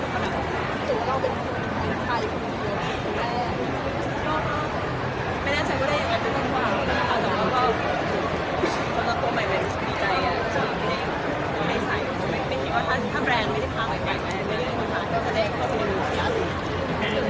แต่ว่าพวกเราตัวใหม่เป็นใครอ่ะไม่ใส่ถ้าแบรนด์ไม่ได้พาเหมือนกันจะได้เอาคนอื่นอย่างนี้